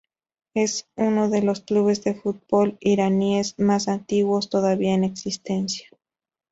Es uno de los clubes de fútbol iraníes más antiguos todavía en existencia.